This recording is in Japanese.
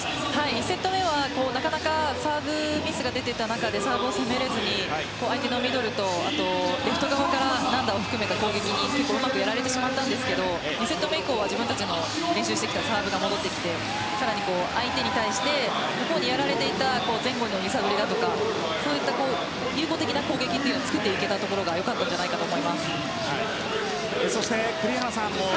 １セット目はなかなかサーブミスが出ていた中でサーブを攻められずに相手のミドルとあと、レフト側から軟打を含めた攻撃にうまくやられてしまったんですが２セット目以降は自分たちの練習してきたサーブが戻ってきて、更に相手に対して向こうにやられていた前後の揺さぶりだとか有効的な攻撃を作っていけたところがそして栗原さん